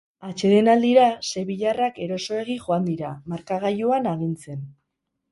Atsedenaldira sevillarrak erosoegi joan dira, markagailuan agintzen.